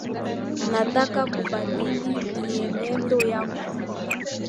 Nataka kubadili mienendo yako.